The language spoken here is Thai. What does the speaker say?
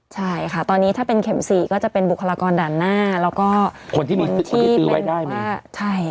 ใช่ค่ะตอนนี้ถ้าเป็นเข็ม๔ก็จะเป็นบุคลากรด่านหน้าแล้วก็คนที่มีซื้อไว้ได้มาก